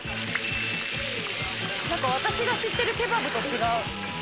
私が知ってるケバブと違う。